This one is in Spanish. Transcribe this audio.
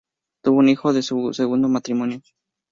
Tuvo un hijo de su segundo matrimonio.